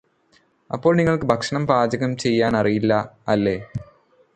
അപ്പോൾ നിങ്ങൾക്ക് ഭക്ഷണം പാചകം ചെയ്യാനറിയാം അല്ലേ